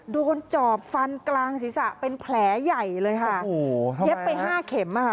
จอบฟันกลางศีรษะเป็นแผลใหญ่เลยค่ะโอ้โหเย็บไปห้าเข็มอ่ะค่ะ